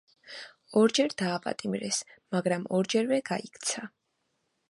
ორჯერ დააპატიმრეს, მაგრამ ორჯერვე გაიქცა.